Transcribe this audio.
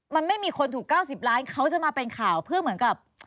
มันไม่มีคนถูก๙๐ล้านเขาจะมาเป็นข่าวเพื่อเหมือนกับ